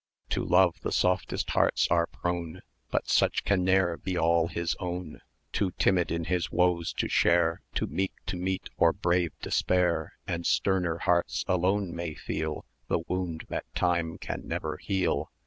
To Love the softest hearts are prone, But such can ne'er be all his own; Too timid in his woes to share, Too meek to meet, or brave despair; And sterner hearts alone may feel 920 The wound that Time can never heal.